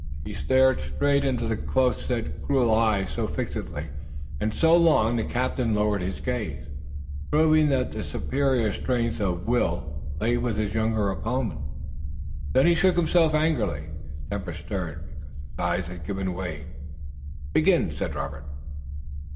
He stared straight into the close set cruel eyes so fixedly and so long that the captain lowered his gaze, proving that the superior strength of will lay with his younger opponent. Then he shook himself angrily, his temper stirred, because his eyes had given way. "Begin!" said Robert.